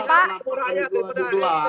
nah itu lah